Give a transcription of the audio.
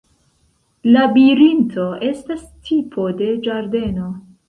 Labirinto estas tipo de ĝardeno.